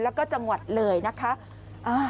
แล้วก็จังหวัดเลยนะคะ